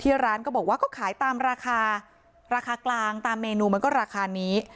ร้านก็บอกว่าก็ขายตามราคาราคากลางตามเมนูมันก็ราคานี้